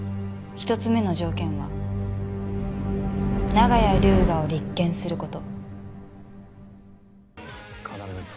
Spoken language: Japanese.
１つ目の条件は長屋龍河を立件する事。